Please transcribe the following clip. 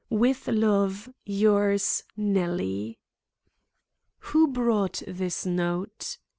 " With love, yours, "NELLIE." "Who brought this note?"